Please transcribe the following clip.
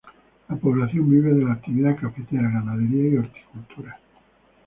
La población vive de la actividad cafetera, ganadería y horticultura.